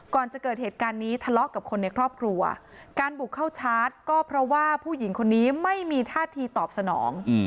ก่อนจะเกิดเหตุการณ์นี้ทะเลาะกับคนในครอบครัวการบุกเข้าชาร์จก็เพราะว่าผู้หญิงคนนี้ไม่มีท่าทีตอบสนอง